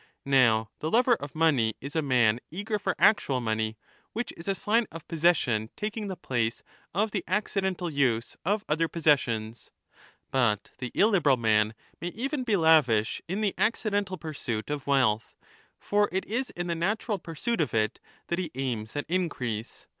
Now the lover of money is a man eager for actual money, which is a sign of possession taking the place of the accidental use of other possessions. But the 5 illiberal man may even be lavish in the accidental pursuit of wealth, for it is in the natural pursuit of it that he aims at increase.